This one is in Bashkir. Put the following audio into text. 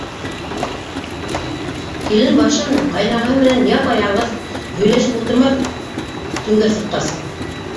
Килен башы менән ҡайнағаһы менән япа-яңғыҙ һөйләшеп ултырмаҫ, төнгә сыҡҡас.